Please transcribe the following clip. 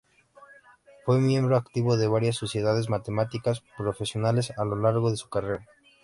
Fue miembro activo de varias sociedades matemáticas profesionales a lo largo de su carrera.